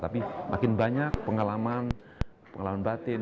tapi makin banyak pengalaman pengalaman batin